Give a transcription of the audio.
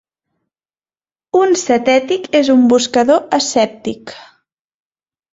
Un zetètic és un "buscador escèptic"..